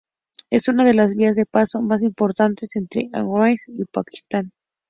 Es una de las vías de paso más importantes entre Afganistán y Pakistán.